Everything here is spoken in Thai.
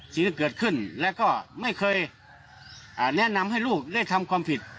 สิ่งที่เกิดขึ้นแล้วก็ไม่เคยแนะนำให้ลูกได้ทำความผิด